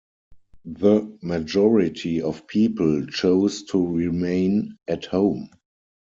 The majority of people chose to remain at home.